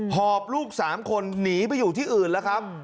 หอบลูก๓คนหนีไปอยู่ที่อื่นแล้วครับ